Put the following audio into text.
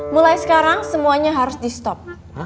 mulai sekarang semuanya harus di stop